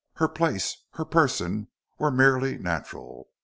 Her place, her person were merely natural.